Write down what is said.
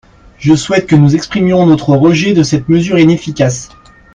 Je souhaite que nous exprimions notre rejet de cette mesure inefficace